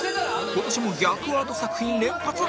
今年も逆アート作品連発